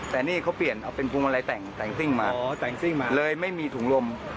แต่นี่เขาเปลี่ยนออกเป็นภูมิบัลลายแท่งสิ้งมาเลยไม่มีถุงลม